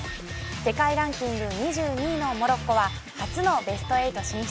世界ランキング２２位のモロッコは初のベスト８進出。